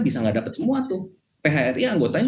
bisa nggak dapat semua tuh phri anggotanya